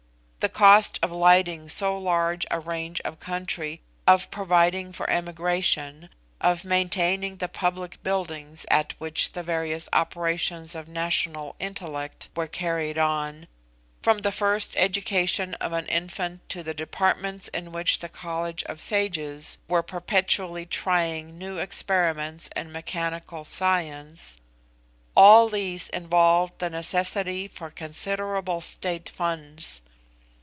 The cost of lighting so large a range of country, of providing for emigration, of maintaining the public buildings at which the various operations of national intellect were carried on, from the first education of an infant to the departments in which the College of Sages were perpetually trying new experiments in mechanical science; all these involved the necessity for considerable state funds.